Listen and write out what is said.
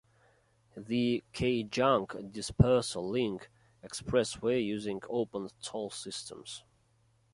The Kajang Dispersal Link Expressway using opened toll systems.